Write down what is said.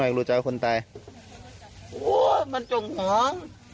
เด็กหน่อยรู้จักว่าคนตายโอ้ยมันจงหอม